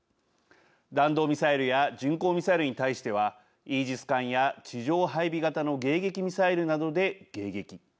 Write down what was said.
弾道ミサイルや巡航ミサイルに対してはイージス艦や地上配備型の迎撃ミサイルなどで迎撃。